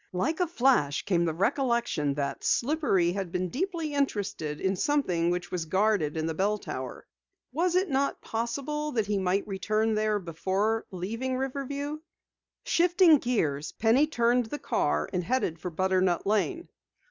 Like a flash came the recollection that Slippery had been deeply interested in something which was guarded in the bell tower. Was it not possible that he might return there before leaving Riverview? Shifting gears, Penny turned the car and headed for Butternut Lane.